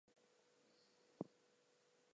Perhaps he does it because the gods did so before him.